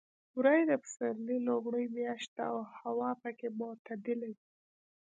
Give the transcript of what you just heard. وری د پسرلي لومړۍ میاشت ده او هوا پکې معتدله وي.